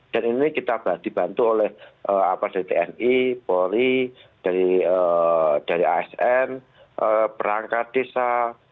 dan ini kita dibantu oleh dari tni polri dari asn perangkat desa